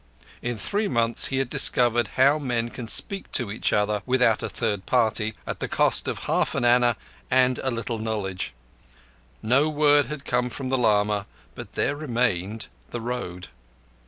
In three months he had discovered how men can speak to each other without a third party, at the cost of half an anna and a little knowledge. No word had come from the lama, but there remained the Road.